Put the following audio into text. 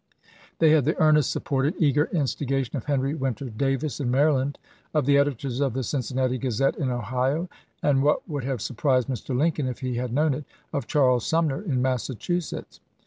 They had the earnest support and eager instiga tion of Henry Winter Davis in Maryland, of the ^Jjfjff8 editors of the "Cincinnati Gazette" in Ohio, and perlon8sesee what would have surprised Mr. Lincoln if he had Yorif sun," known it, of Charles Sumner in Massachusetts.